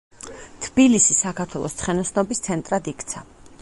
თბილისი საქართველოს ცხენოსნობის ცენტრად იქცა.